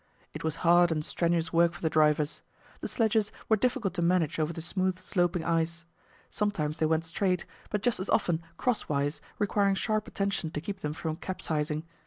It was hard and strenuous work for the drivers. The sledges were difficult to manage over the smooth, sloping ice; sometimes they went straight, but just as often cross wise, requiring sharp attention to keep them from capsizing.